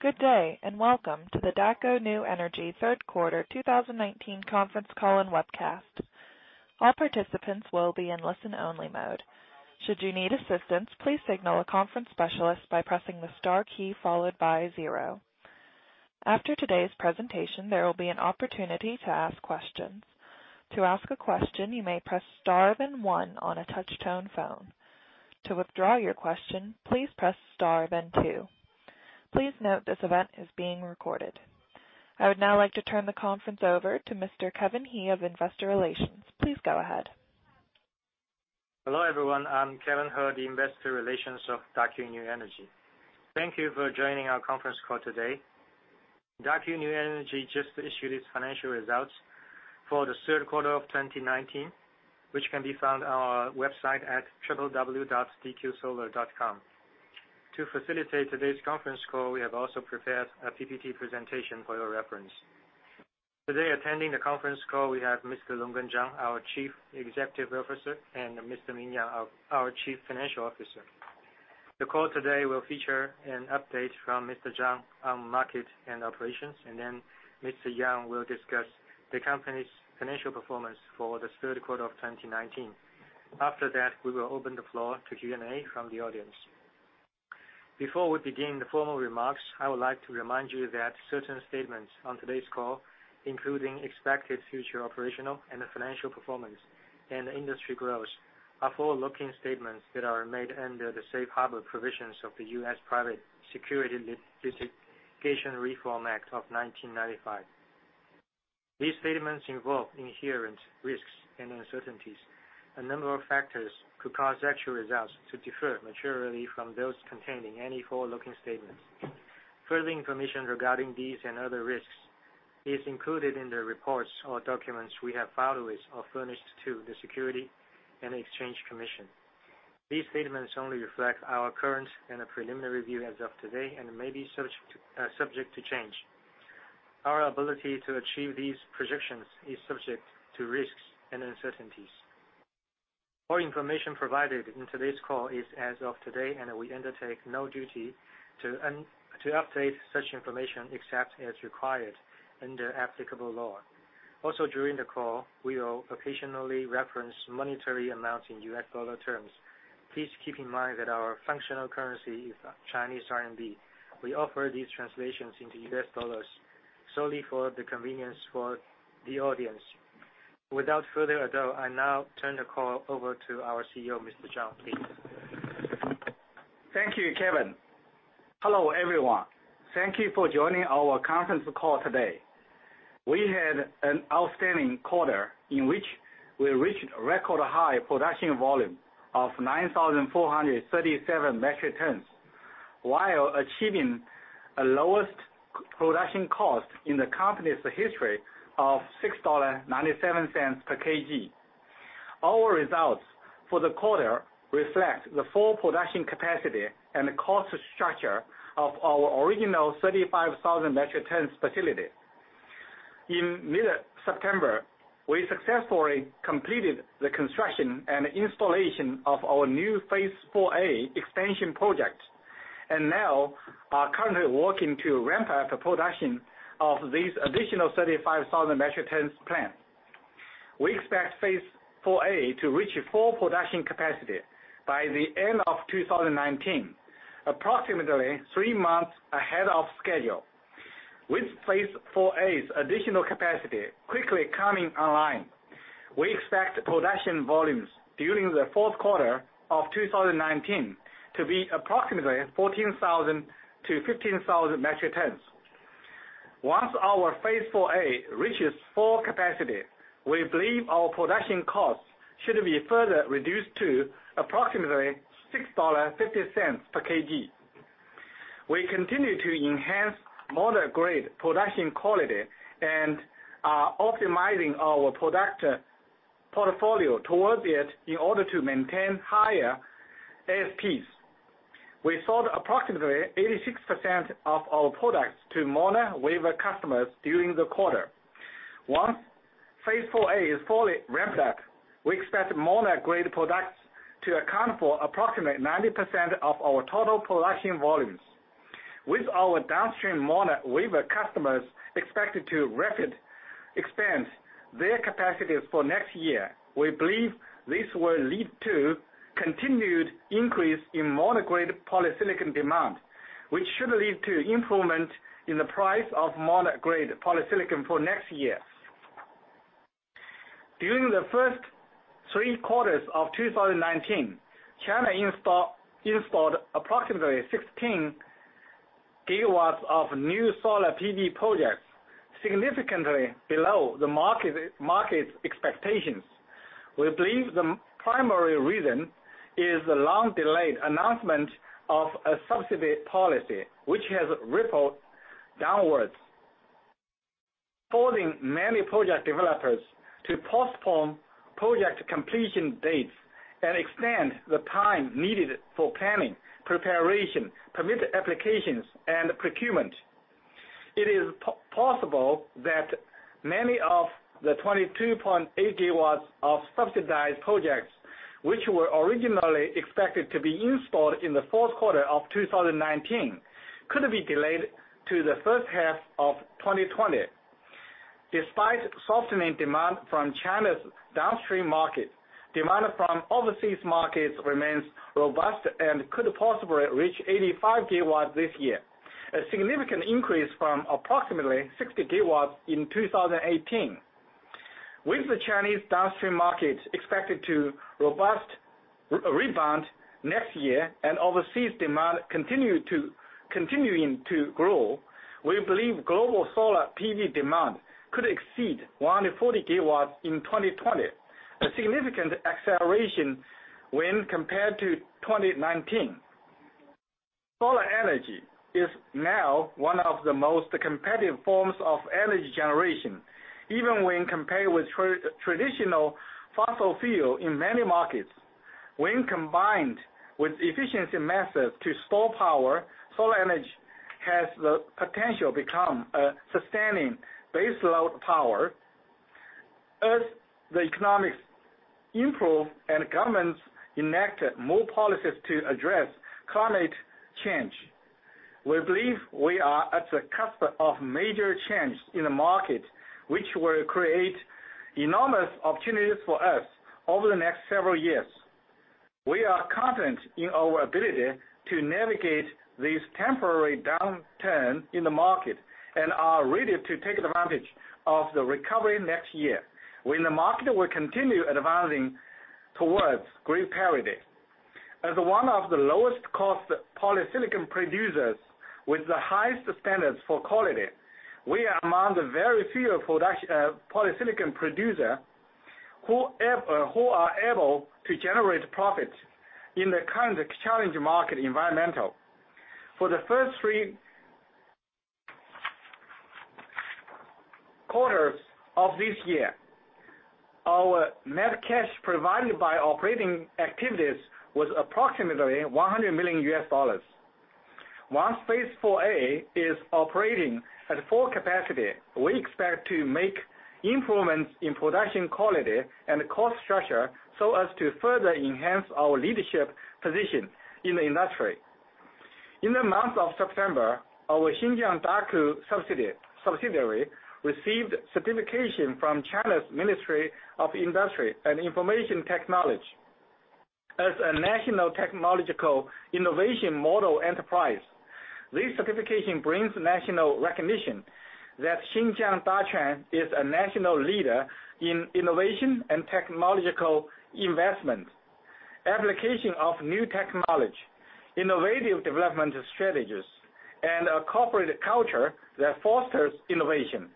Good day, and welcome to the Daqo New Energy Third Quarter 2019 Conference Call and Webcast. All participants will be on listen-only mode. Should you need assistance, please signal a conference specialist by pressing the star key followed by zero. After today's presentation, there will be an opportunity to ask question. To ask a question you may press star then one on a touchtone phone. To withdraw your question, please press star then two. Please note this event is being recorded. I would now like to turn the conference over to Mr. Kevin He of Investor Relations. Please go ahead. Hello, everyone. I'm Kevin He, the Investor Relations of Daqo New Energy. Thank you for joining our conference call today. Daqo New Energy just issued its financial results for the third quarter of 2019, which can be found on our website at www.dqsolar.com. To facilitate today's conference call, we have also prepared a PPT presentation for your reference. Today attending the conference call we have Mr. Longgen Zhang, our Chief Executive Officer, and Mr. Ming Yang, our Chief Financial Officer. The call today will feature an update from Mr. Zhang on market and operations, Mr. Yang will discuss the company's financial performance for the third quarter of 2019. After that, we will open the floor to Q&A from the audience. Before we begin the formal remarks, I would like to remind you that certain statements on today's call, including expected future operational and financial performance and industry growth, are forward-looking statements that are made under the safe harbor provisions of the U.S. Private Securities Litigation Reform Act of 1995. These statements involve inherent risks and uncertainties. A number of factors could cause actual results to differ materially from those contained in any forward-looking statements. Further information regarding these and other risks is included in the reports or documents we have filed with or furnished to the Securities and Exchange Commission. These statements only reflect our current and preliminary view as of today and may be subject to change. Our ability to achieve these projections is subject to risks and uncertainties. All information provided in today's call is as of today. We undertake no duty to update such information except as required under applicable law. During the call, we will occasionally reference monetary amounts in U.S. dollar terms. Please keep in mind that our functional currency is Chinese RMB. We offer these translations into U.S. dollars solely for the convenience for the audience. Without further ado, I now turn the call over to our CEO, Mr. Zhang. Please. Thank you, Kevin. Hello, everyone. Thank you for joining our conference call today. We had an outstanding quarter in which we reached record high production volume of 9,437 metric tons while achieving a lowest production cost in the company's history of $6.97 per kg. Our results for the quarter reflect the full production capacity and cost structure of our original 35,000 metric tons facility. In mid-September, we successfully completed the construction and installation of our new phase IV-A extension project and now are currently working to ramp up the production of this additional 35,000 metric tons plan. We expect phase IV-A to reach full production capacity by the end of 2019, approximately three months ahead of schedule. With phase IV-A's additional capacity quickly coming online, we expect production volumes during the fourth quarter of 2019 to be approximately 14,000-15,000 metric tons. Once our phase IV-A reaches full capacity, we believe our production costs should be further reduced to approximately $6.50 per kg. We continue to enhance mono-grade production quality and are optimizing our product portfolio towards it in order to maintain higher ASPs. We sold approximately 86% of our products to mono wafer customers during the quarter. Once phase IV-A is fully ramped up, we expect mono-grade products to account for approximately 90% of our total production volumes. With our downstream mono wafer customers expected to rapid expand their capacities for next year, we believe this will lead to continued increase in mono-grade polysilicon demand, which should lead to improvement in the price of mono-grade polysilicon for next year. During the first three quarters of 2019, China installed approximately 16 GW of new solar PV projects, significantly below the market's expectations. We believe the primary reason is the long-delayed announcement of a subsidy policy, which has rippled downwards, causing many project developers to postpone project completion dates and extend the time needed for planning, preparation, permit applications, and procurement. It is possible that many of the 22.8 GW of subsidized projects which were originally expected to be installed in the fourth quarter of 2019 could be delayed to the first half of 2020. Despite softening demand from China's downstream market, demand from overseas markets remains robust and could possibly reach 85 GW this year, a significant increase from approximately 60 GW in 2018. With the Chinese downstream market expected to robust rebound next year and overseas demand continuing to grow, we believe global solar PV demand could exceed 140 GW in 2020, a significant acceleration when compared to 2019. Solar energy is now one of the most competitive forms of energy generation, even when compared with traditional fossil fuel in many markets. When combined with efficiency methods to store power, solar energy has the potential become a sustaining base load power. As the economics improve and governments enact more policies to address climate change, we believe we are at the cusp of major change in the market, which will create enormous opportunities for us over the next several years. We are confident in our ability to navigate this temporary downturn in the market and are ready to take advantage of the recovery next year when the market will continue advancing towards grid parity. As one of the lowest cost polysilicon producers with the highest standards for quality, we are among the very few polysilicon producer who are able to generate profits in the current challenging market environmental. For the first three quarters of this year, our net cash provided by operating activities was approximately $100 million. Once phase IV-A is operating at full capacity, we expect to make improvements in production quality and cost structure so as to further enhance our leadership position in the industry. In the month of September, our Xinjiang Daqo subsidiary received certification from China's Ministry of Industry and Information Technology as a national technological innovation model enterprise. This certification brings national recognition that Xinjiang Daqo is a national leader in innovation and technological investment, application of new technology, innovative development strategies, and a corporate culture that fosters innovation.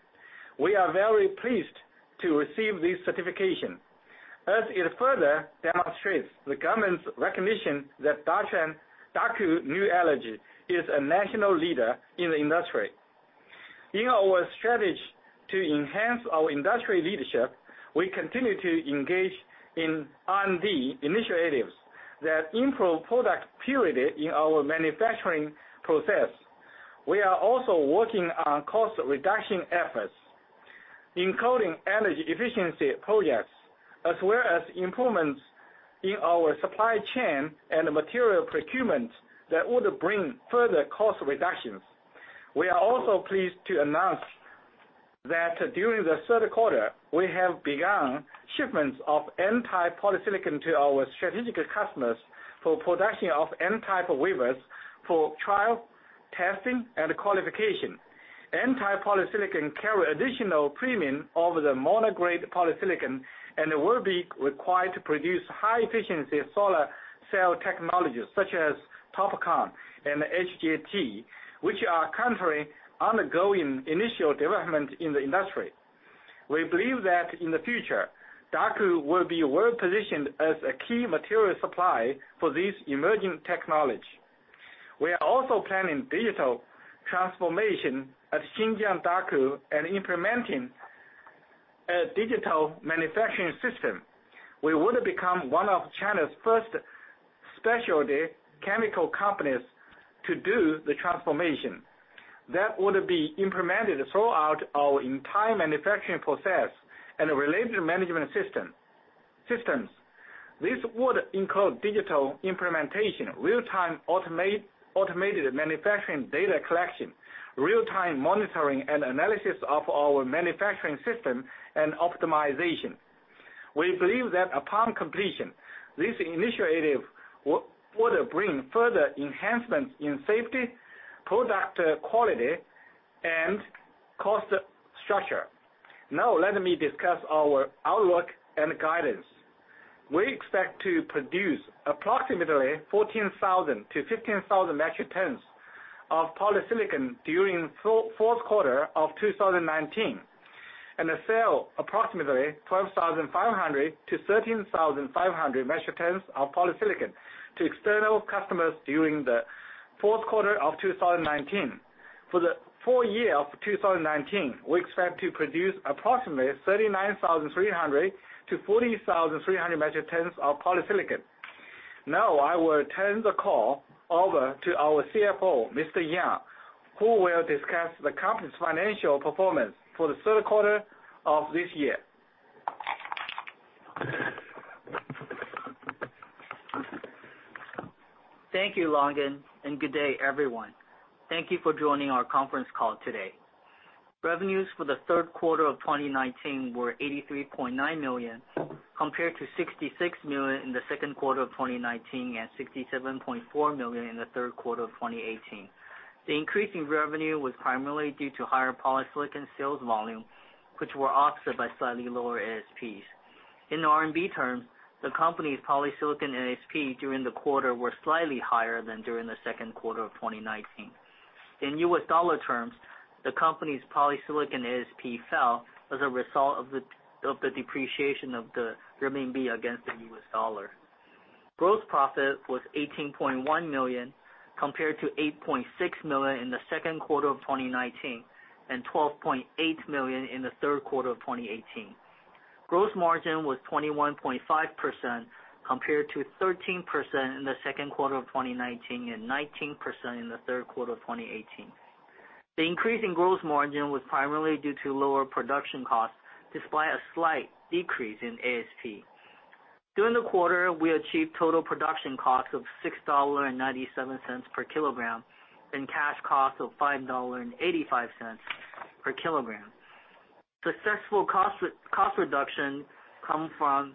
We are very pleased to receive this certification as it further demonstrates the government's recognition that Daqo New Energy is a national leader in the industry. In our strategy to enhance our industry leadership, we continue to engage in R&D initiatives that improve product purity in our manufacturing process. We are also working on cost reduction efforts, including energy efficiency projects, as well as improvements in our supply chain and material procurement that would bring further cost reductions. We are also pleased to announce that during the third quarter, we have begun shipments of N-type polysilicon to our strategic customers for production of N-type wafers for trial, testing, and qualification. N-type polysilicon carry additional premium over the mono-grade polysilicon and will be required to produce high-efficiency solar cell technologies such as TOPCon and HJT, which are currently undergoing initial development in the industry. We believe that in the future, Daqo will be well-positioned as a key material supplier for this emerging technology. We are also planning digital transformation at Xinjiang Daqo and implementing a digital manufacturing system. We would become one of China's first specialty chemical companies to do the transformation. That would be implemented throughout our entire manufacturing process and related management systems. This would include digital implementation, real-time automated manufacturing data collection, real-time monitoring and analysis of our manufacturing system, and optimization. We believe that upon completion, this initiative would bring further enhancements in safety, product quality, and cost structure. Now let me discuss our outlook and guidance. We expect to produce approximately 14,000 metric tons-15,000 metric tons of polysilicon during the fourth quarter of 2019, and sell approximately 12,500 metric tons-13,500 metric tons of polysilicon to external customers during the fourth quarter of 2019. For the full year of 2019, we expect to produce approximately 39,300-40,300 metric tons of polysilicon. Now I will turn the call over to our CFO, Mr. Yang, who will discuss the company's financial performance for the third quarter of this year. Thank you, Longgen, and good day, everyone. Thank you for joining our conference call today. Revenues for the third quarter of 2019 were $83.9 million compared to $66 million in the second quarter of 2019 and $67.4 million in the third quarter of 2018. The increase in revenue was primarily due to higher polysilicon sales volume, which were offset by slightly lower ASPs. In RMB terms, the company's polysilicon ASP during the quarter were slightly higher than during the second quarter of 2019. In U.S. dollar terms, the company's polysilicon ASP fell as a result of the depreciation of the renminbi against the U.S. dollar. Gross profit was $18.1 million compared to $8.6 million in the second quarter of 2019 and $12.8 million in the third quarter of 2018. Gross margin was 21.5% compared to 13% in the second quarter of 2019 and 19% in the third quarter of 2018. The increase in gross margin was primarily due to lower production costs despite a slight decrease in ASP. During the quarter, we achieved total production cost of $6.97 per kilogram and cash cost of $5.85 per kilogram. Successful cost reduction come from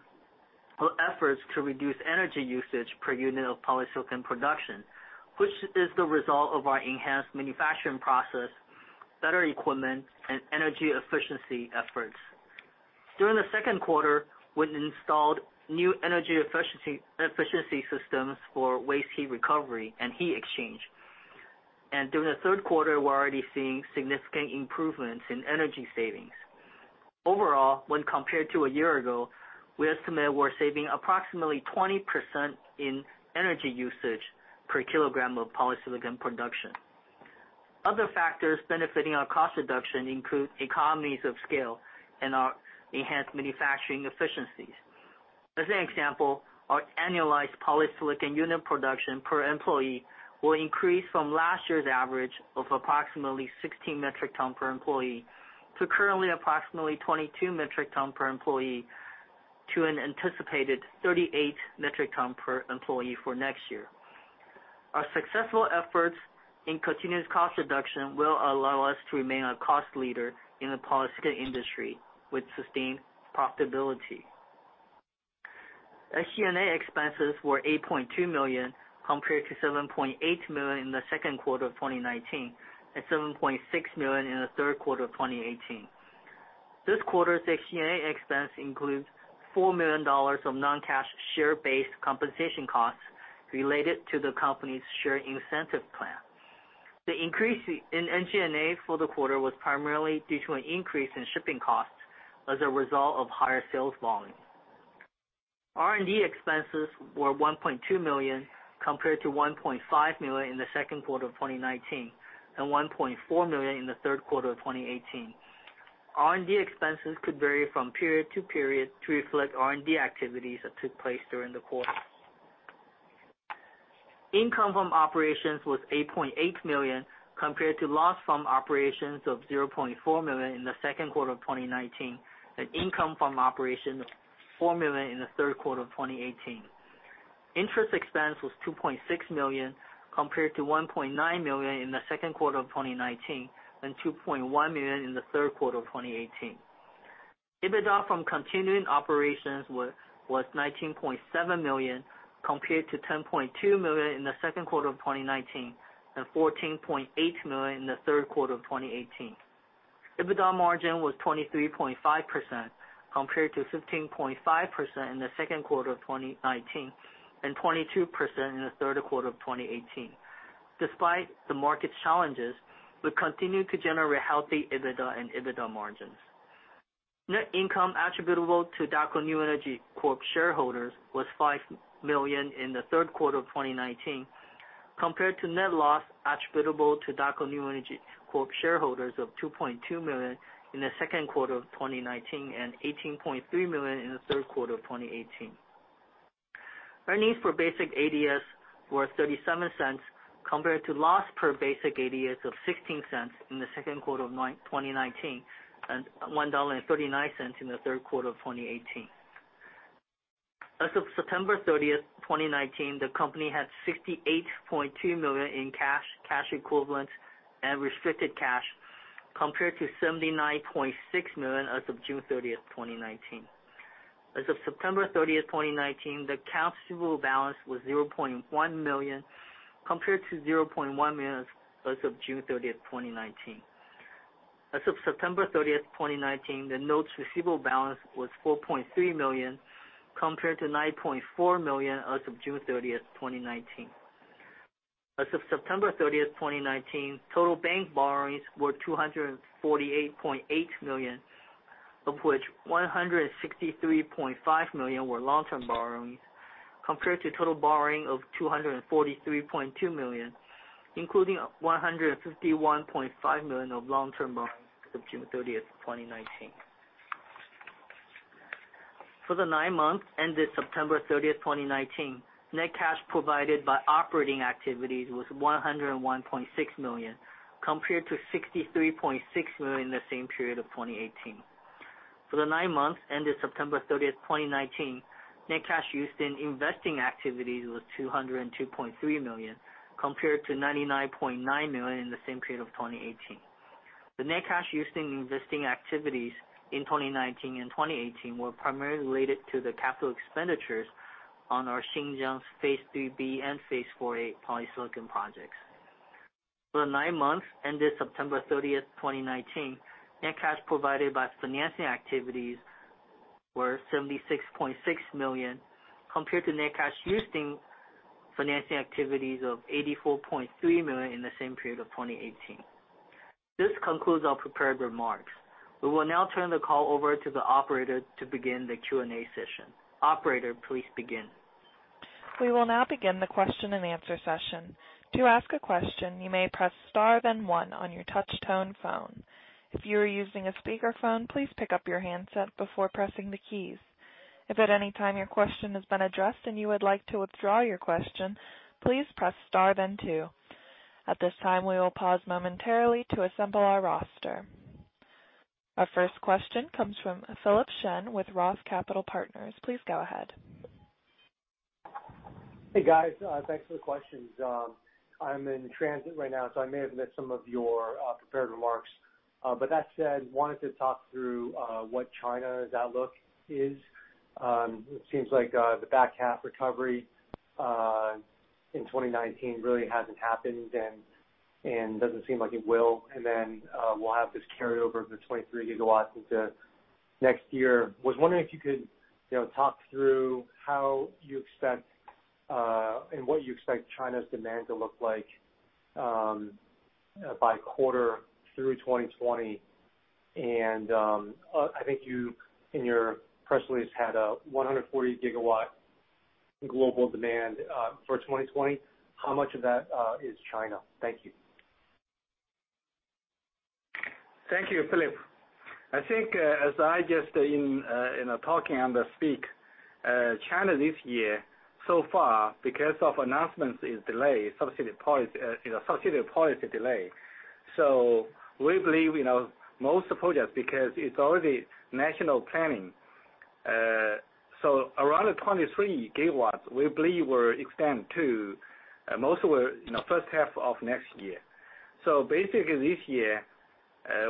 our efforts to reduce energy usage per unit of polysilicon production, which is the result of our enhanced manufacturing process, better equipment, and energy efficiency efforts. During the second quarter, we installed new energy efficiency systems for waste heat recovery and heat exchange. During the third quarter, we're already seeing significant improvements in energy savings. Overall, when compared to a year ago, we estimate we're saving approximately 20% in energy usage per kilogram of polysilicon production. Other factors benefiting our cost reduction include economies of scale and our enhanced manufacturing efficiencies. As an example, our annualized polysilicon unit production per employee will increase from last year's average of approximately 16 metric tons per employee to currently approximately 22 metric tons per employee to an anticipated 38 metric tons per employee for next year. Our successful efforts in continuous cost reduction will allow us to remain a cost leader in the polysilicon industry with sustained profitability. SG&A expenses were $8.2 million compared to $7.8 million in the second quarter of 2019 and $7.6 million in the third quarter of 2018. This quarter's SG&A expense includes $4 million of non-cash share-based compensation costs related to the company's share incentive plan. The increase in SG&A for the quarter was primarily due to an increase in shipping costs as a result of higher sales volume. R&D expenses were $1.2 million compared to $1.5 million in the second quarter of 2019 and $1.4 million in the third quarter of 2018. R&D expenses could vary from period to period to reflect R&D activities that took place during the quarter. Income from operations was $8.8 million compared to loss from operations of $0.4 million in the second quarter of 2019 and income from operations of $4 million in the third quarter of 2018. Interest expense was $2.6 million compared to $1.9 million in the second quarter of 2019 and $2.1 million in the third quarter of 2018. EBITDA from continuing operations was $19.7 million compared to $10.2 million in the second quarter of 2019 and $14.8 million in the third quarter of 2018. EBITDA margin was 23.5% compared to 15.5% in the second quarter of 2019 and 22% in the third quarter of 2018. Despite the market's challenges, we continue to generate healthy EBITDA and EBITDA margins. Net income attributable to Daqo New Energy Corp shareholders was $5 million in the third quarter of 2019 compared to net loss attributable to Daqo New Energy Corp shareholders of $2.2 million in the second quarter of 2019 and $18.3 million in the third quarter of 2018. Earnings per basic ADS were $0.37 compared to loss per basic ADS of $0.16 in the second quarter of 2019 and $1.39 in the third quarter of 2018. As of September 30th, 2019, the company had $68.2 million in cash, cash equivalents and restricted cash compared to $79.6 million as of June 30th, 2019. As of September 30th, 2019, the accounts receivable balance was $0.1 million compared to $0.1 million as of June 30th, 2019. As of September 30th, 2019, the notes receivable balance was $4.3 million compared to $9.4 million as of June 30th, 2019. As of September 30th, 2019, total bank borrowings were $248.8 million, of which $163.5 million were long-term borrowings compared to total borrowing of $243.2 million, including $151.5 million of long-term borrowings as of June 30th, 2019. For the nine months ended September 30th, 2019, net cash provided by operating activities was $101.6 million, compared to $63.6 million in the same period of 2018. For the nine months ended September 30th, 2019, net cash used in investing activities was $202.3 million, compared to $99.9 million in the same period of 2018. The net cash used in investing activities in 2019 and 2018 were primarily related to the capital expenditures on our Xinjiang phase III-B and phase IV-A polysilicon projects. For the nine months ended September 30th, 2019, net cash provided by financing activities were $76.6 million, compared to net cash used in financing activities of $84.3 million in the same period of 2018. This concludes our prepared remarks. We will now turn the call over to the operator to begin the Q&A session. Operator, please begin. We will now begin the question-and-answer session. To ask a question, you may press star then one on your touchtone phone. If you are using a speaker phone, please ick-up your handset before pressing the keys. If anytime your question has been addressed and you would like to withdraw your question, please press star then two. At this time, we will pause momentarily to assemble our roster. Our first question comes from Philip Shen with ROTH Capital Partners. Please go ahead. Hey, guys. Thanks for the questions. I'm in transit right now, so I may have missed some of your prepared remarks. That said, wanted to talk through what China's outlook is. It seems like the back half recovery in 2019 really hasn't happened and doesn't seem like it will. Then, we'll have this carryover of the 23 GW into next year. Was wondering if you could, you know, talk through how you expect and what you expect China's demand to look like by quarter through 2020. I think you in your press release had a 140 GW global demand for 2020. How much of that is China? Thank you. Thank you, Philip. I think, as I just in talking on the speak, China this year so far because of announcements is delayed, you know, subsidy policy delay. We believe, you know, most projects, because it's already national planning. Around the 23 GW we believe were extend to most were, you know, first half of next year. Basically this year,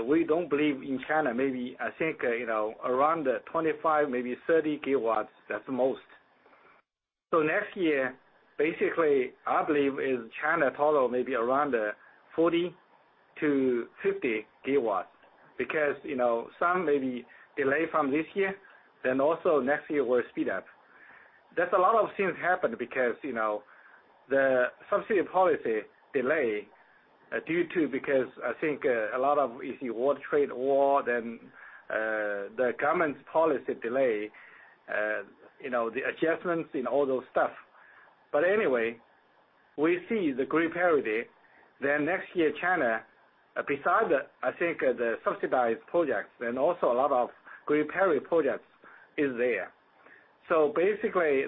we don't believe in China, maybe I think, you know, around the 25 GW, maybe 30 GW at the most. Next year, basically I believe is China total may be around 40 GW-50 GW because, you know, some may be delayed from this year, then also next year will speed up. That's a lot of things happened because, you know, the subsidy policy delay due to because I think a lot of is the world trade war then, the government's policy delay, you know, the adjustments in all those stuff. Anyway, we see the grid parity. Next year, China, besides the I think the subsidized projects and also a lot of grid parity projects is there. Basically,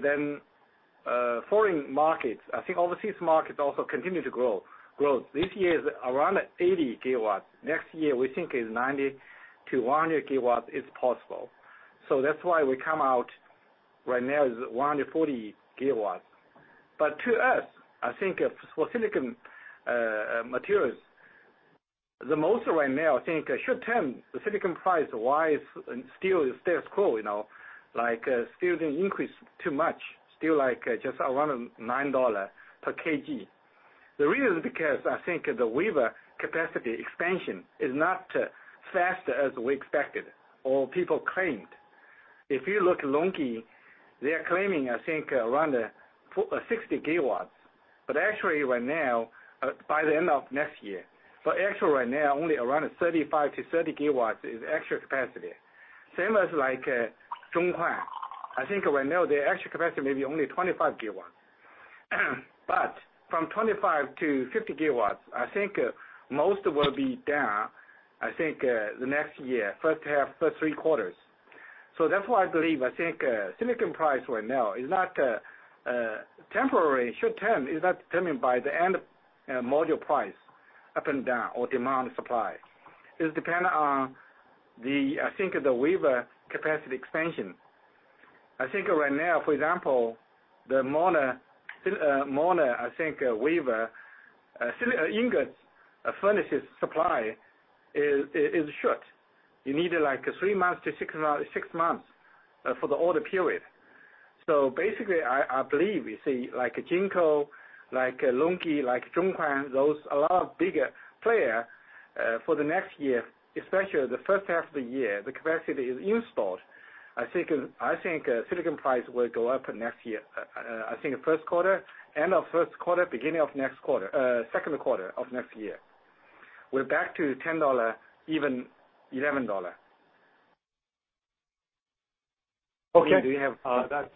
foreign markets, I think overseas markets also continue to grow. This year is around 80 GW. Next year, we think is 90 GW-100 GW is possible. That's why we come out right now is 140 GW. To us, I think for silicon materials, the most right now I think short-term the silicon price-wise still is cool, you know. Like, still didn't increase too much, still like just around $9 per kg. The reason is because I think the wafer capacity expansion is not fast as we expected or people claimed. If you look LONGi, they're claiming I think around 60 GW, but actually right now By the end of next year. Actually right now, only around 35 GW-30 GW is extra capacity. Same as like Zhonghuan. I think right now their actual capacity may be only 25 GW. From 25 GW-50 GW, I think most will be done, I think, the next year, first half, first three quarters. That's why I believe, I think, silicon price right now is not temporary. Short-term is not determined by the end module price up and down or demand supply. It's dependent on the, I think the wafer capacity expansion. I think right now, for example, the [mono think] wafer ingot furnaces supply is short. You need like three months to six months for the order period. I believe you see like JinkoSolar, like LONGi, like Zhonghuan, those a lot of bigger player, for the next year, especially the first half of the year, the capacity is installed. I think silicon price will go up next year, I think first quarter, end of first quarter, beginning of next quarter, second quarter of next year. We're back to $10, even $11. Okay.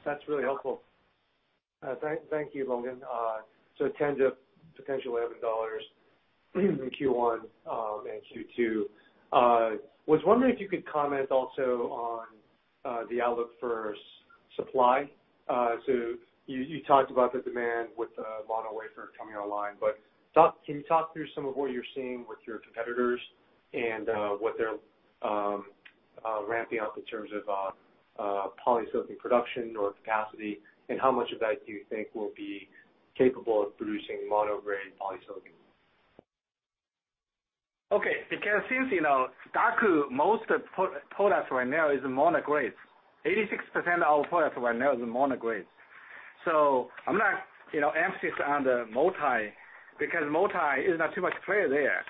That's really helpful. Thank you, Longgen. $10 to potential $11 in Q1 and Q2. Was wondering if you could comment also on the outlook for supply. You talked about the demand with the mono wafer coming online. Can you talk through some of what you're seeing with your competitors and what they're ramping up in terms of polysilicon production or capacity? How much of that do you think will be capable of producing mono-grade polysilicon? Okay. Daqo, most of products right now is mono-grade. 86% of our products right now is mono-grade. I'm not, you know, emphasis on the multi because multi is not too much player there.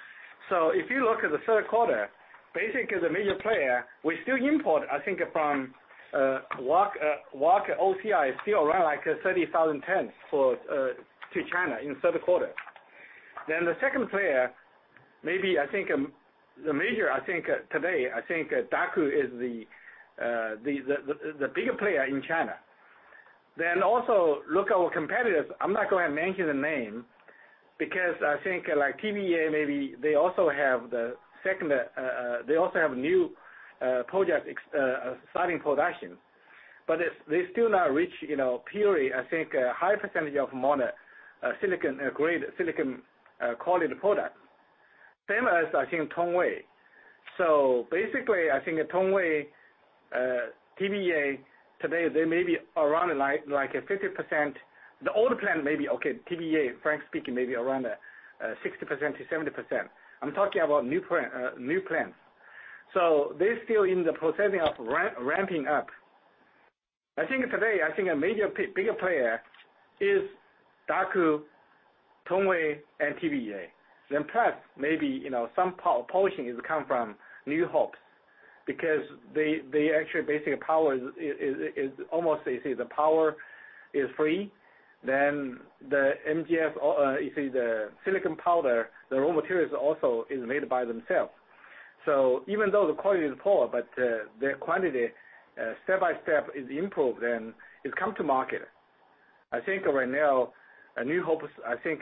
If you look at the third quarter, the major player will still import from Wacker OCI still around like 30,000 tons for to China in third quarter. The second player, Daqo is the bigger player in China. Also look our competitors. I'm not gonna mention the name because I think like TBEA maybe they also have the second new project starting production. It's, they still not reach, you know, purely I think a high percentage of mono-grade silicon quality product. Same as I think Tongwei. Basically, I think Tongwei, TBEA today they may be around like 50%. The old plant may be okay. TBEA, frankly speaking, may be around 60%-70%. I'm talking about new plants. They're still in the processing of ramping up. I think today, I think a major bigger player is Daqo, Tongwei, and TBEA. Plus maybe, you know, some polysilicon is come from East Hope because they actually basically power is, is almost they say the power is free. The MG-Si, you see the silicon powder, the raw materials also is made by themselves. Even though the quality is poor, their quantity step by step is improved, then it come to market. I think right now East Hope's, I think,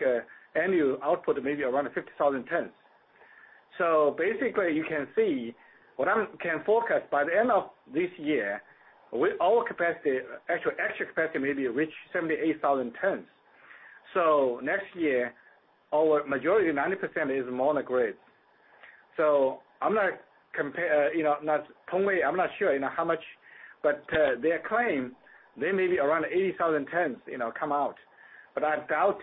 annual output may be around 50,000 tons. Basically, you can see what I'm can forecast by the end of this year, with our capacity, actual capacity maybe reach 78,000 tons. Next year, our majority, 90% is mono-grade. I'm not compare, you know, not Tongwei, I'm not sure, you know, how much, but their claim they may be around 80,000 tons, you know, come out. I doubt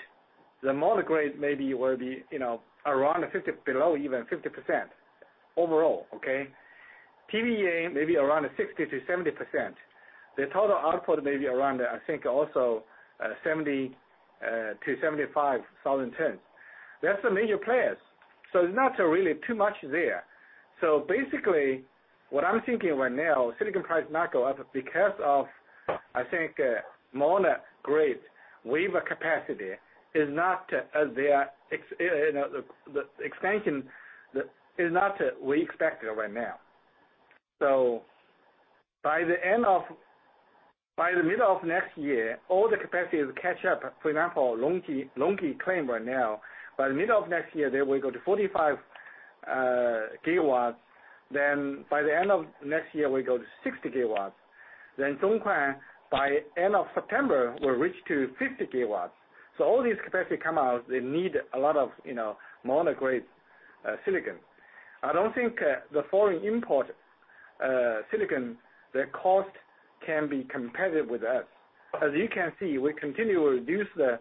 the mono-grade maybe will be, you know, around 50% below even 50% overall, okay? TBEA may be around 60%-70%. The total output may be around, I think, also, 70,000 tons-75,000 tons. That's the major players. There's not really too much there. Basically, what I'm thinking right now, silicon price not go up because of mono-grade wafer capacity is not, you know, the expansion is not we expected right now. By the middle of next year, all the capacities catch up. For example, LONGi claim right now, by the middle of next year they will go to 45 GW. By the end of next year, we go to 60 GW. Then Zhonghuan, by end of September, will reach to 50 GW. All these capacity come out, they need a lot of, you know, mono-grade silicon. I don't think the foreign import silicon, the cost can be competitive with us. As you can see, we continue to reduce the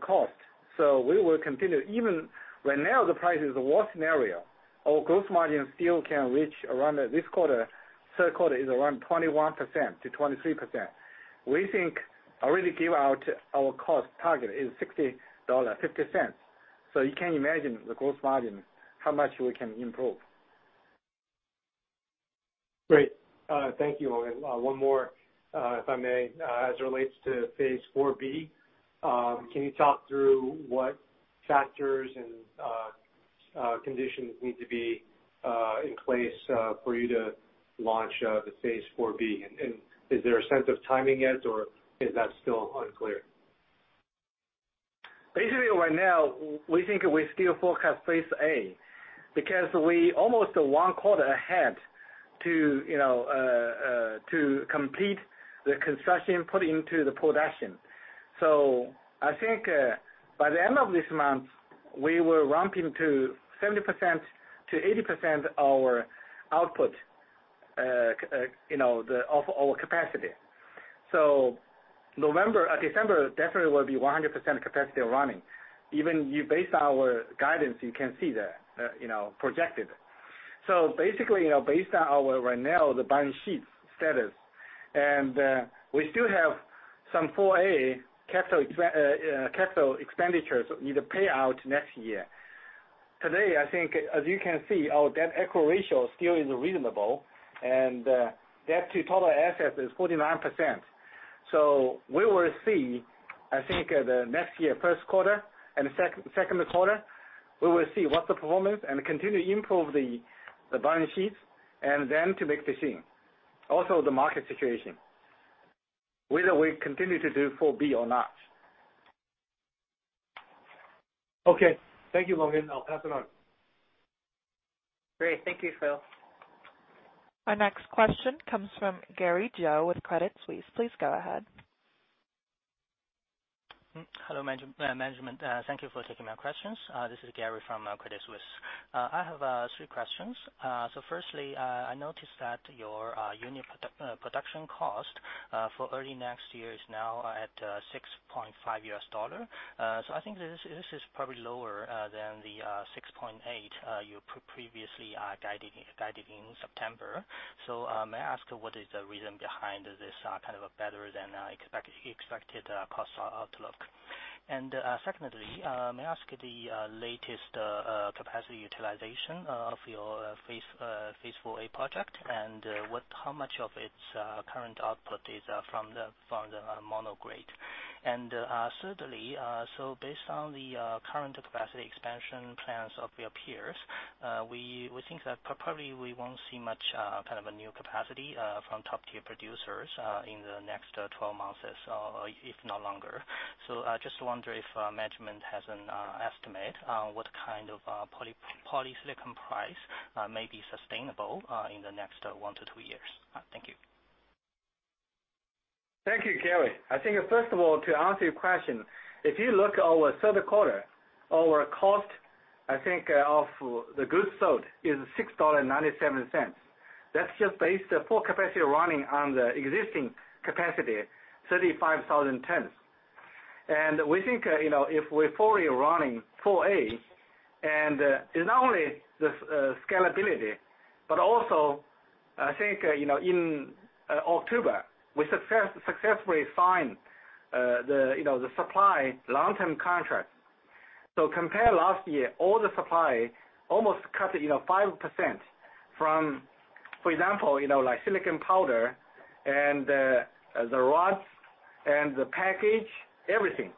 cost. We will continue even right now the price is the worst scenario. Our gross margin still can reach around this quarter, third quarter is around 21%-23%. We think already give out our cost target is $6.50. You can imagine the gross margin, how much we can improve. Great. Thank you. One more, if I may. As it relates to phase IV-B, can you talk through what factors and conditions need to be in place for you to launch the phase IV-B? Is there a sense of timing yet, or is that still unclear? Basically right now, we think we still forecast phase IV-A because we almost one quarter ahead to, you know, to complete the construction put into the production. I think, by the end of this month, we will ramping to 70%-80% our output, you know, of our capacity. November, December definitely will be 100% capacity running. Even you based our guidance, you can see that, you know, projected. Basically, you know, based on our right now the balance sheet status, and, we still have some phase IV-A capital expenditures need to pay out next year. Today, I think as you can see, our debt equity ratio still is reasonable, and debt to total assets is 49%. We will see, I think the next year first quarter and second quarter, we will see what the performance and continue improve the balance sheets and then to make decision. Also the market situation, whether we continue to do phase IV-B or not. Okay. Thank you, Longgen. I'll pass it on. Great. Thank you, Philip. Our next question comes from Gary Zhou with Credit Suisse. Please go ahead. Hello, management. Thank you for taking my questions. This is Gary from Credit Suisse. I have three questions. Firstly, I noticed that your unit production cost for early next year is now at $6.5. I think this is probably lower than the $6.8 you previously guided in September. May I ask what is the reason behind this kind of a better than expected cost outlook? Secondly, may I ask the latest capacity utilization of your phase IV-A project, and how much of its current output is from the mono-grade. Thirdly, based on the current capacity expansion plans of your peers, we think that probably we won't see much kind of a new capacity from top-tier producers in the next 12 months or so, if not longer. I just wonder if management has an estimate on what kind of polysilicon price may be sustainable in the next one year - two years. Thank you. Thank you, Gary. First of all, to answer your question, if you look our third quarter, our cost of the goods sold is $6.97. That's just based full capacity running on the existing capacity, 35,000 tons. We think, you know, if we're fully running phase IV-A, it's not only the scalability, but also in October, we successfully signed the supply long-term contract. Compare last year, all the supply almost cut, you know, 5% from For example, you know, like silicon powder and the rods and the package, everything.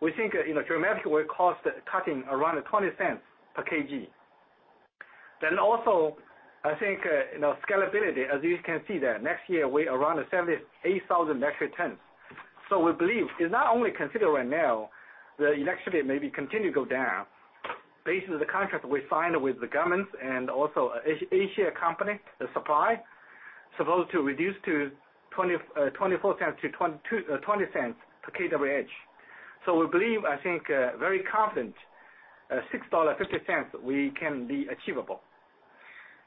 We think, you know, dramatically will cost cutting around $0.20 per kg. Also, scalability, as you can see there, next year we around 78,000 metric tons. We believe it's not only considering right now the electricity maybe continue to go down. Based on the contract we signed with the governments and also A-share company, the supply, supposed to reduce to $0.24 to $0.20 per kWh. We believe, I think, very confident, $6.50 we can be achievable.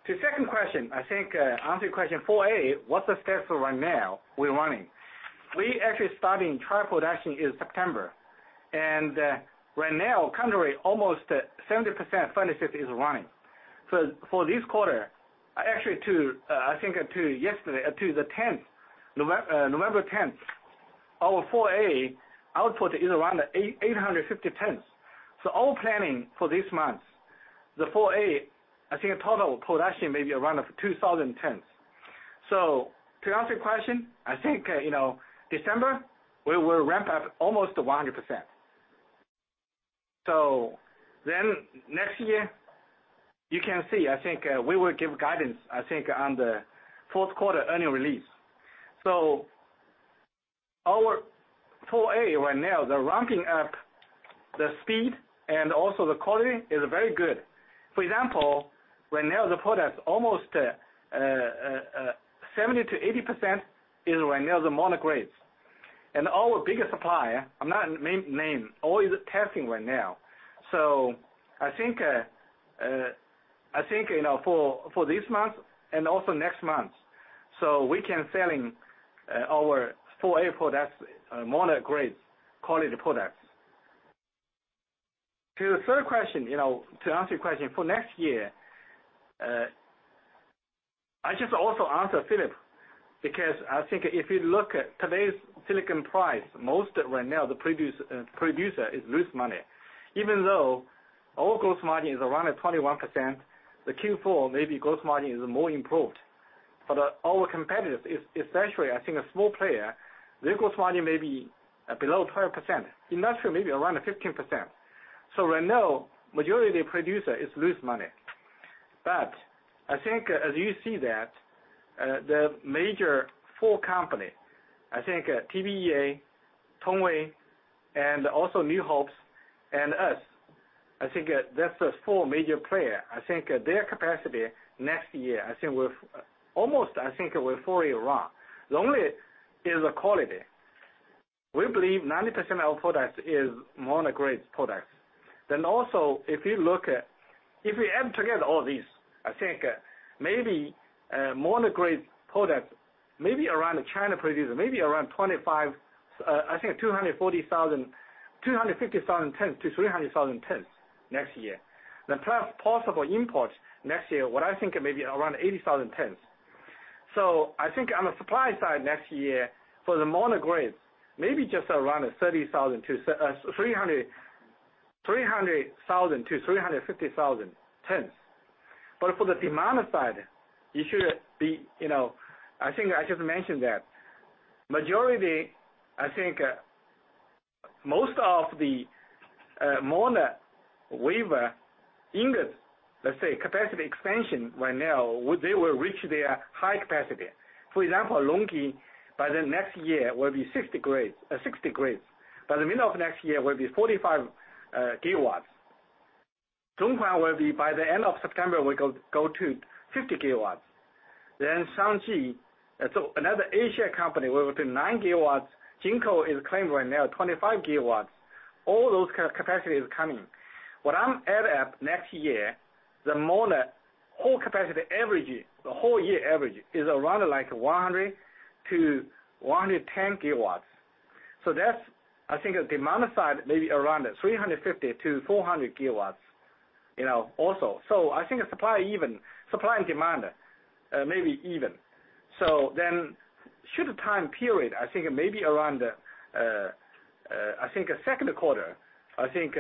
The second question, I think, answer your question, phase IV-A, what's the status right now we're running? We actually starting trial production in September, and, right now currently almost 70% furnace 50% is running. For this quarter, actually to, I think to yesterday, to the 10th, November 10th, our phase IV-A output is around 850 tons. Our planning for this month, the phase IV-A, I think total production may be around 2,000 tons. To answer your question, I think, you know, December we will ramp up almost 100%. Next year you can see, I think, we will give guidance, I think on the fourth quarter earnings release. Our phase IV-A right now, the ramping up, the speed and also the quality is very good. For example, right now the products almost 70%-80% is right now the mono-grades. And our biggest supplier, I'm not name, all is testing right now. I think, you know, this month and also next month, so we can sell our phase IV-A products, mono-grade quality products. To the third question, you know, to answer your question, for next year, I just also answer Philip, because I think if you look at today's silicon price, most right now the producer is lose money. Even though our gross margin is around 21%, the Q4 maybe gross margin is more improved. Our competitors, I think the small player, their gross margin may be below 12%. Industrial maybe around 15%. Right now, majority producer is lose money. I think as you see that, the major four company, I think, TBEA, Tongwei, and also East Hope and us, I think that's the four major player. I think their capacity next year, I think will almost I think will fully run. The only is the quality. We believe 90% of products is mono-grade products. Also if you look at, I think maybe mono-grade products, maybe around China producer, maybe around 25, I think 250,000 tons-300,000 tons next year. Plus possible imports next year, what I think maybe around 80,000 tons. I think on the supply side next year, for the mono-grades, maybe just around 300,000-350,000 tons. For the demand side, you should be, you know I think I should mention that majority, I think, most of the mono wafer ingot, let's say, capacity expansion right now, they will reach their high capacity. For example, LONGi, by the next year, will be 60 GW. By the middle of next year will be 45 GW. Zhonghuan will be by the end of September will go to 50 GW. Shangji, so another A-share company, will be 9 GW. JinkoSolar is claimed right now 25 GW. All those capacity is coming. What I'm next year, the mono whole capacity average, the whole year average is around, like, 100 GW-110 GW. That's I think the demand side may be around 350 GW-400 GW, you know, also. I think the supply even, supply and demand may be even. Should time period, I think maybe around, I think second quarter, I think,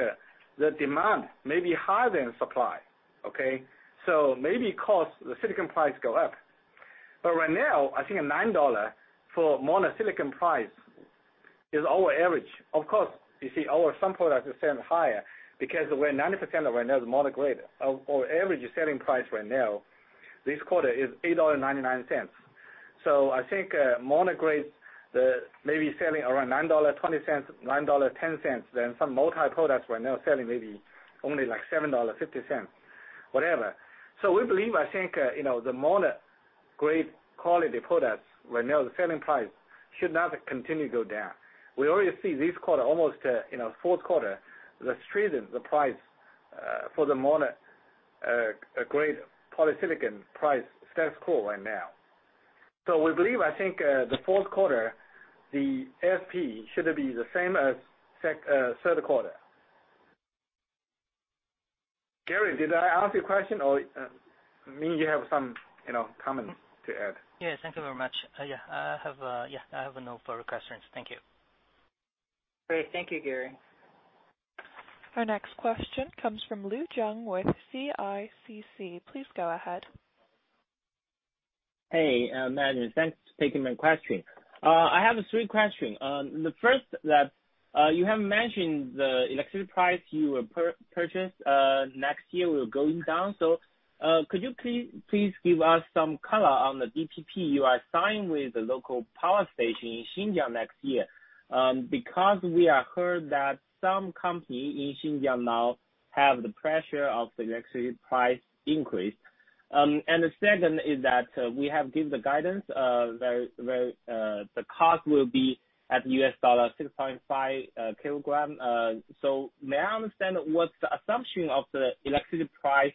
the demand may be higher than supply. Okay? Maybe cost, the silicon price go up. Right now, I think $9 for mono-grade polysilicon price is our average. Of course, you see our sample price is selling higher because we're 90% right now is mono-grade. Our average selling price right now this quarter is $8.99. I think mono-grades may be selling around $9.20, $9.10. Some multi products right now selling maybe only like $7.50, whatever. We believe, I think, you know, the mono-grade quality products right now the selling price should not continue to go down. We already see this quarter, almost, you know, fourth quarter, the street is the price for the mono-grade polysilicon price stands core right now. We believe, I think, the fourth quarter, the ASP should be the same as third quarter. Gary, did I answer your question or maybe you have some, you know, comments to add? Yes, thank you very much. Yeah, I have no further questions. Thank you. Great. Thank you, Gary. Our next question comes from Liu Jun with CICC. Please go ahead. Hey, Management. Thanks for taking my question. I have three question. The first that you have mentioned the electricity price you will purchase next year will going down. Could you please give us some color on the PPA you are signed with the local power station in Xinjiang next year? Because we are heard that some company in Xinjiang now have the pressure of the electricity price increase. The second is that we have given the guidance where the cost will be at $6.5 per kilogram. May I understand what's the assumption of the electricity price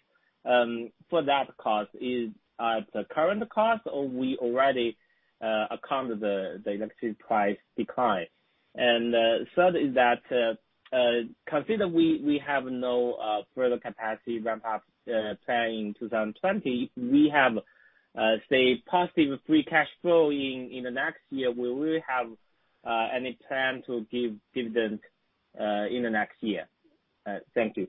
for that cost? Is the current cost, or we already account the electricity price decline? Third is that, consider we have no further capacity ramp up plan in 2020. We have, say, positive free cash flow in the next year. Will we have any plan to give dividend in the next year? Thank you.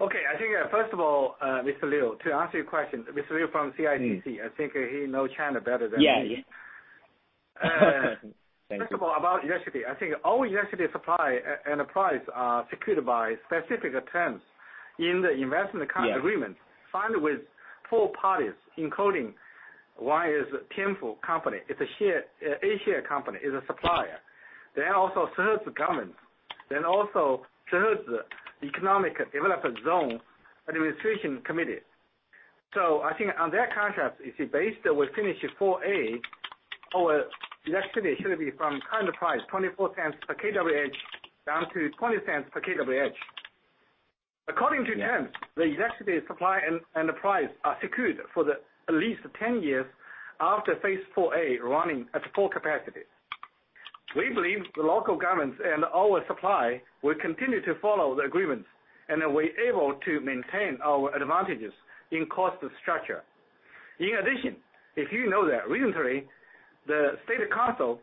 Okay. I think, first of all, Mr. Liu, to answer your question. Mr. Liu from CICC. I think he know China better than me. Yeah. Thank you. First of all, about electricity. I think all electricity supply and price are secured by specific terms in the investment contract. Yeah. Agreement signed with four parties, including one is Tianfu company. It's an A-share company, is a supplier. Also third government, then also third economic development zone administration committee. I think on that contract, if it based, we finish phase IV-A, our electricity should be from current price $0.24 per kWh down to $0.20 per kWh. According to terms. Yeah. The electricity supply and the price are secured for the at least 10 years after phase IV-A running at full capacity. We believe the local governments and our supply will continue to follow the agreements, we're able to maintain our advantages in cost structure. In addition, if you know that recently the State Council,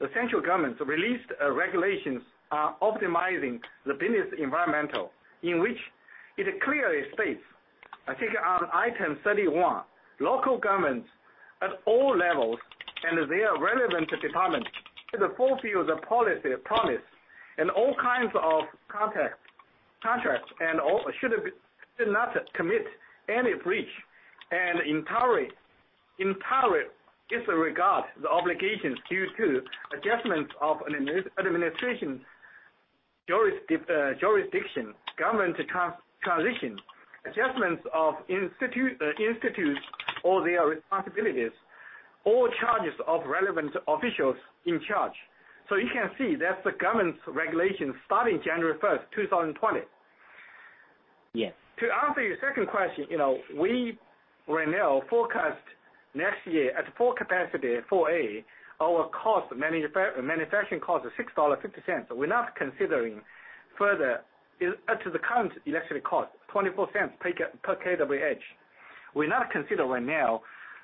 the central government released regulations on optimizing the business environment in which it clearly states, I think on item 31, local governments at all levels and their relevant departments to fulfill the policy promise and all kinds of contracts should not commit any breach and in theory, in theory, disregard the obligations due to adjustments of administration jurisdiction, government transition, adjustments of institutes or their responsibilities or charges of relevant officials in charge. You can see that's the government's regulation starting January 1st, 2020. Yes. To answer your second question, you know, we right now forecast next year at full capacity, phase IV-A, our manufacturing cost is $6.50. We're not considering further to the current electricity cost, $0.24 per kWh. We not consider right now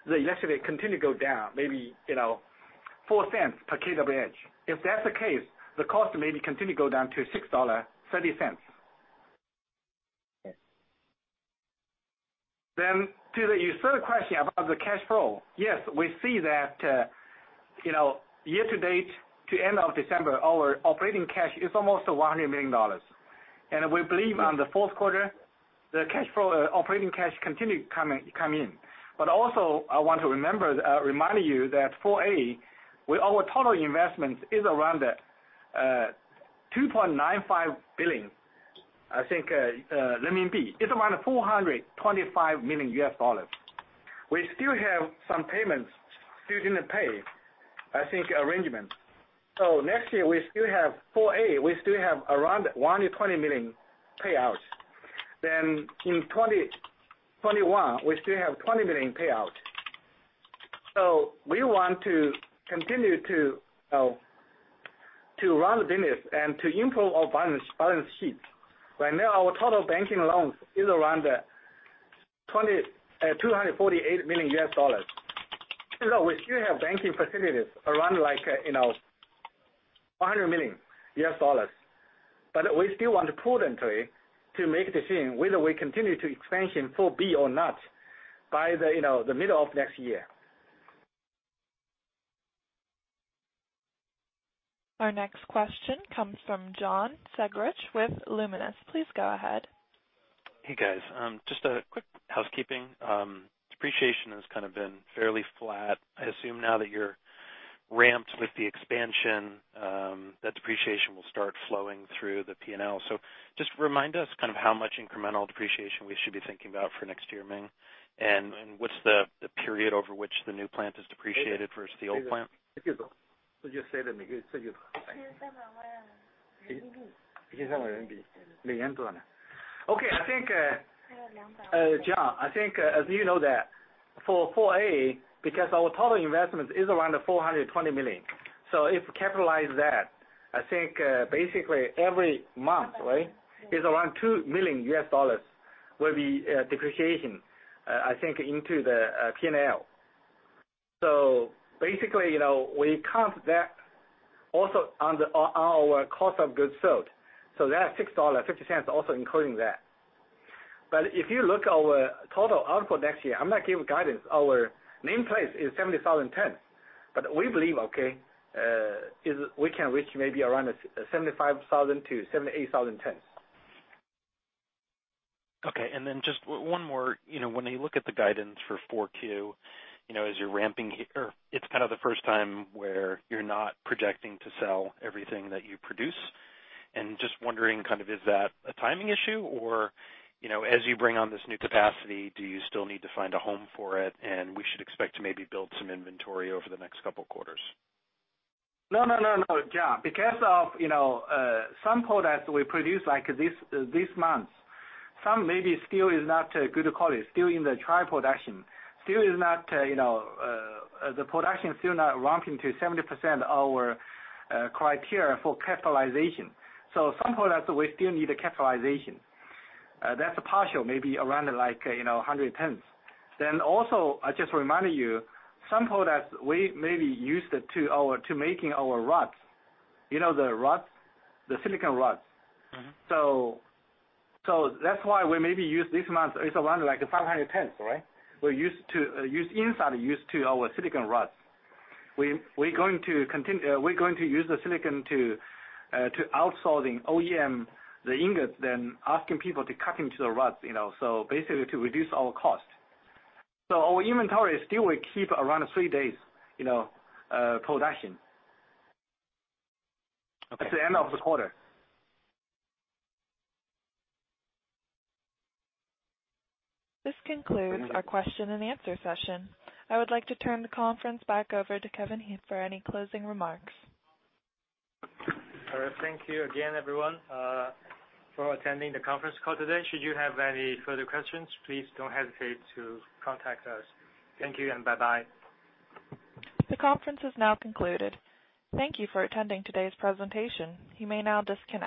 the electricity continue go down, maybe, you know, $0.04 per kWh. If that's the case, the cost may be continue go down to $6.30. Yes. To the your third question about the cash flow. Yes, we see that, you know, year-to-date to end of December, our operating cash is almost $100 million. We believe on the fourth quarter, the cash flow, operating cash continue come in. Also I want to remind you that phase IV-A, our total investments is around 2.95 billion. It's around $425 million U.S. dollars. We still have some payments still didn't pay, I think arrangement. Next year we still have phase IV-A, we still have around $120 million payouts. In 2021, we still have $20 million payout. We want to continue to run the business and to improve our balance sheet. Right now, our total banking loans is around $248 million. We still have banking facilities around like, you know, $100 million. We still want to prudently to make decision whether we continue to expansion phase IV-B or not by the, you know, the middle of next year. Our next question comes from John Segrich with Luminus. Please go ahead. Hey, guys. Just a quick housekeeping. Depreciation has kind of been fairly flat. I assume now that you're ramped with the expansion, that depreciation will start flowing through the P&L. Just remind us kind of how much incremental depreciation we should be thinking about for next year, Ming? What's the period over which the new plant is depreciated versus the old plant? Okay. I think, John, I think, as you know that for phase IV-A, because our total investment is around $420 million. If capitalize that, I think, basically every month, right, is around $2 million will be depreciation, I think into the P&L. Basically, you know, we count that also on our cost of goods sold. That's $6.50 also including that. If you look our total output next year, I'm not giving guidance. Our name plates is 70,000 tons. We believe, okay, is we can reach maybe around 75,000 tons-78,000 tons. Okay, just one more. You know, when I look at the guidance for 4Q, you know, as you're ramping here, it's kind of the first time where you're not projecting to sell everything that you produce. Just wondering kind of, is that a timing issue? Or, you know, as you bring on this new capacity, do you still need to find a home for it, and we should expect to maybe build some inventory over the next couple quarters? No, no, no, John. Because of, you know, some products we produce like this month, some maybe still is not good quality, still in the trial production. Still is not, you know, the production still not ramping to 70% our criteria for capitalization. Some products we still need a capitalization. That's a partial, maybe around like, you know, 100 tons. I just remind you, some products we maybe used to making our rods. You know the rods? The silicon rods. That's why we maybe use this month is around like 500 tons, right? We use inside our silicon rods. We're going to continue, we're going to use the silicon to outsourcing OEM the ingots, then asking people to cut into the rods, you know. Basically, to reduce our cost. Our inventory still will keep around three days, you know, production. Okay. At the end of the quarter. This concludes our question and answer session. I would like to turn the conference back over to Kevin He for any closing remarks. All right. Thank you again, everyone, for attending the conference call today. Should you have any further questions, please don't hesitate to contact us. Thank you, and bye-bye. The conference is now concluded. Thank you for attending today's presentation. You may now disconnect.